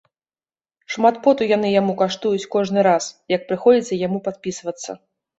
Шмат поту яны яму каштуюць кожны раз, як прыходзіцца яму падпісвацца.